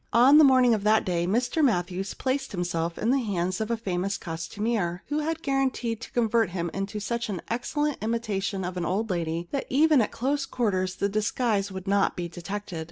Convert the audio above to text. On the morning of that day Mr Matthews placed himself in the hands of a famous costumier, who had guaranteed to convert him into such an excellent imitation of an old lady that even at close quarters the disguise would not be detected.